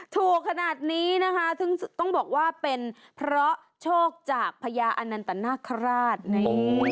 ถูกขนาดนี้นะคะซึ่งต้องบอกว่าเป็นเพราะโชคจากพญาอนันตนาคาราชนี่